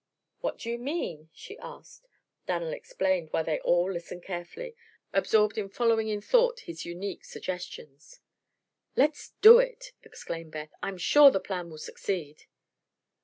"What do you mean?" she asked. Dan'l explained, while they all listened carefully, absorbed in following in thought his unique suggestions. "Let's do it!" exclaimed Beth. "I'm sure the plan will succeed."